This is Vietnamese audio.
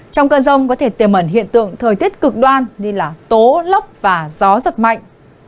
trong cơn rông có thể tiềm ẩn hiện tượng thời tiết cực đoan như là tố lóc và gió giật mạnh